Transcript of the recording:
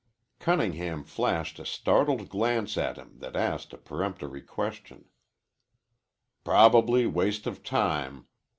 Cunningham flashed a startled glance at him that asked a peremptory question. "Probably waste of time.